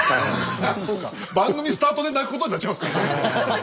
そうか番組スタートで泣くことになっちゃいますからね。